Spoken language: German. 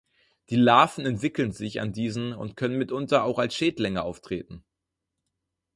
Die Larven entwickeln sich an diesen und können mitunter auch als Schädlinge auftreten.